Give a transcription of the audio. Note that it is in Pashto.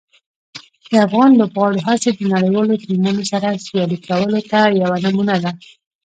د افغان لوبغاړو هڅې د نړیوالو ټیمونو سره سیالي کولو ته یوه نمونه ده.